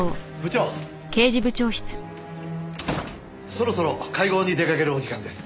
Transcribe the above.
そろそろ会合に出かけるお時間です。